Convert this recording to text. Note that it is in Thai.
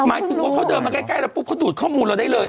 หมายถึงว่าเขาเดินมาใกล้เราปุ๊บเขาดูดข้อมูลเราได้เลย